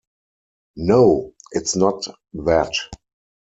No - it's not that.